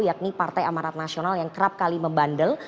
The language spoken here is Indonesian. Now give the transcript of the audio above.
yakni partai amarat nasional yang kerap kali membandel